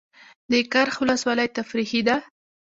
د کرخ ولسوالۍ تفریحي ده